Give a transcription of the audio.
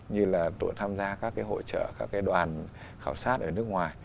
vậy là tổ tham gia các cái hỗ trợ các cái đoàn khảo sát ở nước ngoài